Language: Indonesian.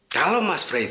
kalau mas praet